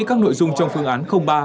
các nội dung trong phương án ba